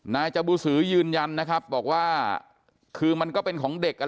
นายจบูสือยืนยันนะครับบอกว่าคือมันก็เป็นของเด็กอ่ะ